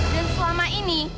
dan selama ini